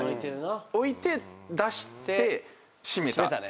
置いて出して閉めた結果